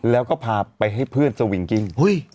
แล้วก็พาไปให้เพื่อนสวิงกิ้ง